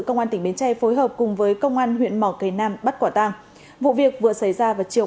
của bến tre phối hợp cùng với công an huyện mỏ cấy nam bắt quả tang vụ việc vừa xảy ra và chiều